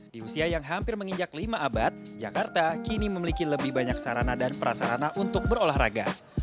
di usia yang hampir menginjak lima abad jakarta kini memiliki lebih banyak sarana dan prasarana untuk berolahraga